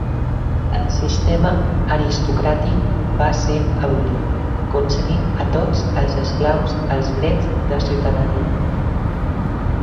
El sistema aristocràtic va ser abolit, concedint a tots els esclaus els drets de ciutadania.